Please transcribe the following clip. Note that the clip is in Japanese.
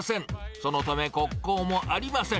そのため国交もありません。